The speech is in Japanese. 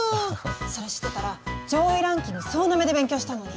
それ知ってたら上位ランキング総なめで勉強したのに。